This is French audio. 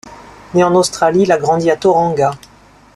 Né en Australie, il a grandi à Tauranga.